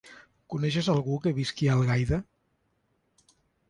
Coneixes algú que visqui a Algaida?